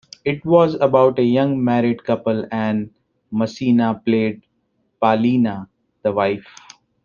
It was about a young married couple and Masina played 'Pallina', the wife.